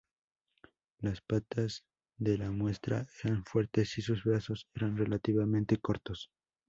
Las patas de la muestra eran fuertes y sus brazos eran relativamente cortos.